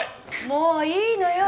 もういいのよ